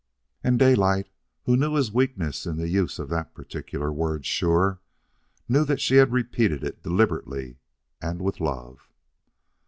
And Daylight, who knew his weakness in the use of the particular word sure, knew that she had repeated it deliberately and with love.